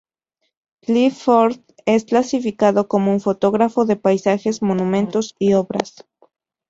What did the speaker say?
Clifford es clasificado como un fotógrafo de paisajes, monumentos y obras.